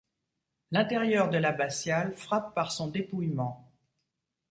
L’intérieur de l’abbatiale frappe par son dépouillement.